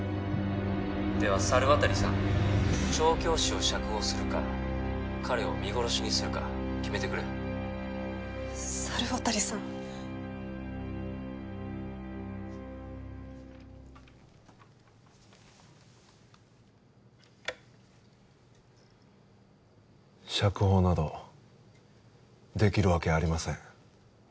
では猿渡さん調教師を釈放するか彼を見殺しにするか決めてくれ猿渡さん釈放などできるわけありません